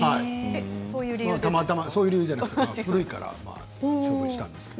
たまたまそういう理由ではなくて古いから処分したんですけど。